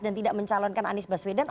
dan tidak mencalonkan anies baswedan